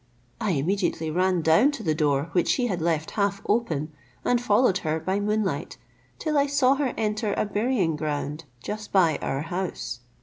I immediately ran down to the door, which she had left half open, and followed her by moonlight, till I saw her enter a burying ground just by our house.